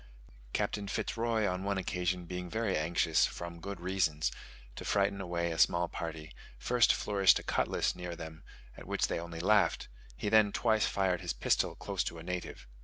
Captain Fitz Roy on one occasion being very anxious, from good reasons, to frighten away a small party, first flourished a cutlass near them, at which they only laughed; he then twice fired his pistol close to a native.